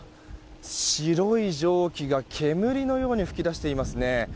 白い蒸気が煙のように噴き出していますね。